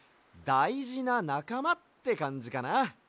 だいじななかまってかんじかな。